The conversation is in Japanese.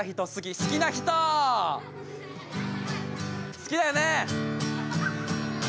好きだよね。